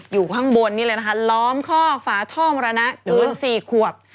อยู่ข้างบนนี่เลยนะคะล้อมข้อฝาท่อมรณะเกิน๔ขวบ